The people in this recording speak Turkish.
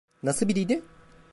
Nasıl biriydi?